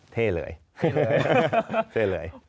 เท่เลยเท่เลย